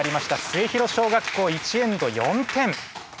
末広小学校１エンド４点。